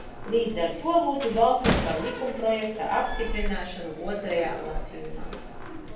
Līdz ar to lūdzu balsot par likumprojekta apstiprināšanu otrajā lasījumā.